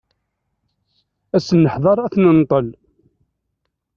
Ad sen-neḥder ad ten-nenṭel.